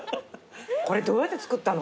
これどうやって作ったの？